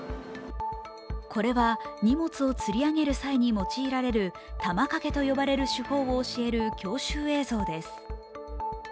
これは、荷物をつり上げる際に用いられる玉掛けと呼ばれる手法を教える教習映像です。